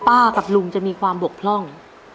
กับลุงจะมีความบกพร่อง